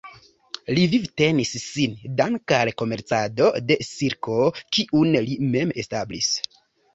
Li vivtenis sin danke al komercado de silko kiun li mem establis.